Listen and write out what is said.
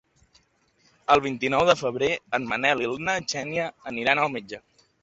El vint-i-nou de febrer en Manel i na Xènia aniran al metge.